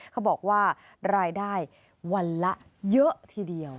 เขาบอกว่ารายได้วันละเยอะทีเดียว